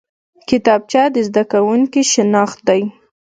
کتابچه د زده کوونکي شناخت دی